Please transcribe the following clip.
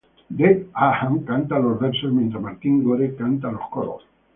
Dave Gahan canta los versos, mientras Martin Gore canta los coros.